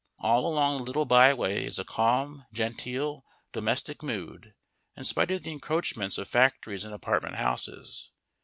All along the little byway is a calm, genteel, domestic mood, in spite of the encroachments of factories and apartment houses.